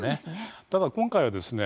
ただ今回はですね